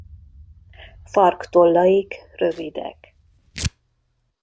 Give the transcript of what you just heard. Farktollaik rövidek.